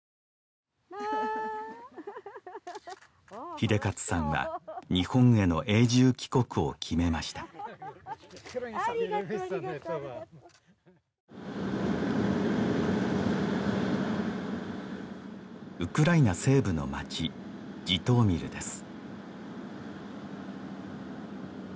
英捷さんは日本への永住帰国を決めましたありがとうありがとうありがとうウクライナ西部の町ジトーミルです